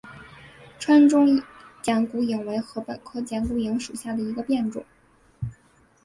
川中剪股颖为禾本科剪股颖属下的一个变种。